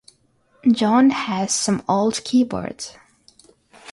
Jon has some old keyboards.